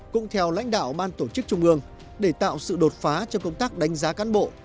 cũng theo lãnh đạo ban tổ chức trung ương để tạo sự đột phá trong công tác đánh giá cán bộ